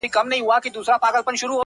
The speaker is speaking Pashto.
زه کنگل د ساړه ژمي ته د دوبي سره غرمه يې